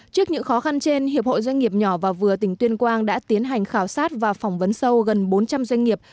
trước những khó khăn trên hiệp hội doanh nghiệp nhỏ và vừa tỉnh tuyên quang đã tiến hành khảo sát và phỏng vấn sâu gần bốn trăm linh doanh nghiệp